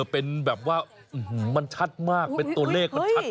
เป็นแบบว่ามันชัดมากเป็นตัวเลขมันชัด